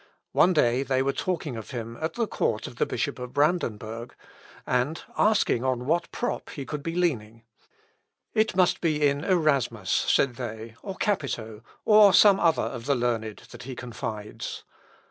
One day they were talking of him at the court of the Bishop of Brandenburg, and asking on what prop he could be leaning. "It must be in Erasmus," said they, "or Capito, or some other of the learned, that he confides."